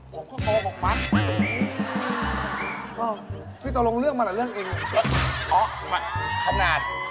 ผมก็โกหกมาก